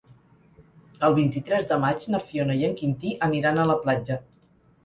El vint-i-tres de maig na Fiona i en Quintí aniran a la platja.